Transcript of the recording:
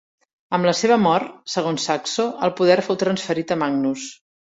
"Amb la seva mort", segons Saxo, "el poder fou transferit a Magnus".